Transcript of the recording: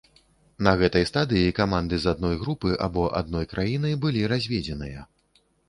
На гэтай стадыі каманды з адной групы або адной краіны былі разведзеныя.